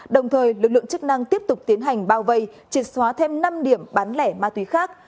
đồng thời lực lượng chức năng tiếp tục tiến hành bao vây triệt xóa thêm năm điểm bán lẻ ma túy khác